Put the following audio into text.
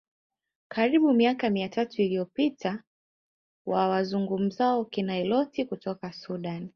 karibu miaka mia tatu iliyopita wa wazungumzao Kinailoti kutoka Sudan